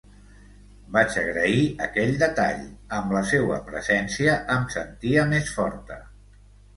Vaig agrair aquell detall; amb la seua presència em sentia més forta.